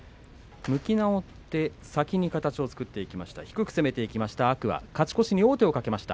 向き直って先に形を作って低く攻めていきました